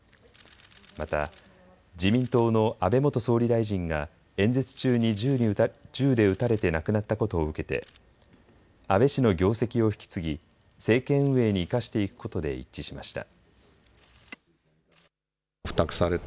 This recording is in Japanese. また自民党の安倍元総理大臣が演説中に銃で撃たれて亡くなったことを受けて安倍氏の業績を引き継ぎ政権運営に生かしていくことで一致しました。